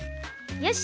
よし。